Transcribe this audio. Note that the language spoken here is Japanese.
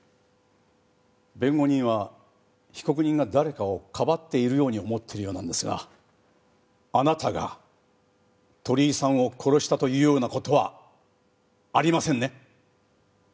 弁護人は被告人が誰かをかばっているように思っているようなんですがあなたが鳥居さんを殺したというような事はありませんね？